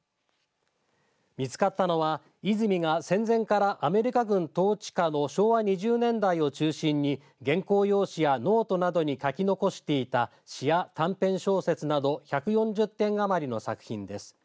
見つかったのは泉が戦前からアメリカ軍統治下の昭和２０年代を中心に原稿用紙やノートなどに書き残していた詩や短編小説など１４０点余りの作品です。